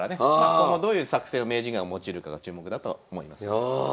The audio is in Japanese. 今後どういう作戦を名人が用いるかが注目だと思います。